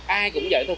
ai cũng vậy thôi